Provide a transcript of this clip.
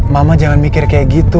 mama jangan mikir kayak gitu